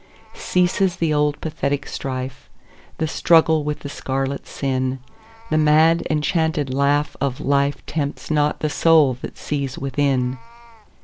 Ceases the old pathetic strife, The struggle with the scarlet sin:The mad enchanted laugh of lifeTempts not the soul that sees within.